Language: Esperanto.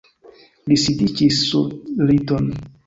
Li sidiĝis sur liton.